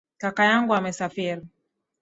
Kaka yangu amesafiri.